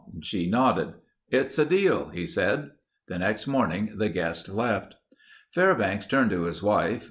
She nodded. "It's a deal," he said. The next morning the guest left. Fairbanks turned to his wife.